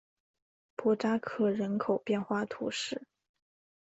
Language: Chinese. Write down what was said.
博扎克人口变化图示